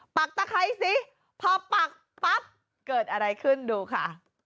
ตะไคร้สิพอปักปั๊บเกิดอะไรขึ้นดูค่ะ